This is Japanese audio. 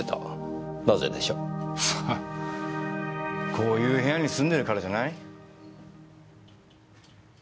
こういう部屋に住んでるからじゃない？